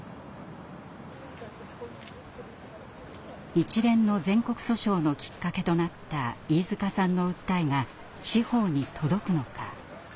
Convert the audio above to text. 一連の全国訴訟のきっかけとなった飯塚さんの訴えが司法に届くのか。